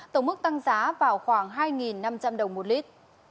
tổng mức tăng giá vào khoảng hai năm trăm linh đồng một lít